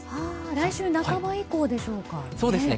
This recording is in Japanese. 来週半ば以降でしょうかね。